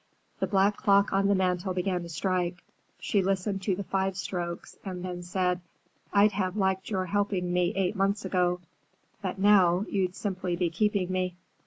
The black clock on the mantel began to strike. She listened to the five strokes and then said, "I'd have liked your helping me eight months ago. But now, you'd simply be keeping me."